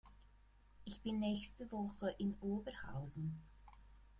Ich bin nächste Woche in Oberhausen